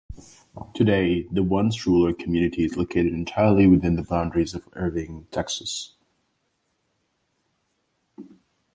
Today, the once rural community is located entirely within the boundaries of Irving, Texas.